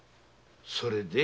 それで？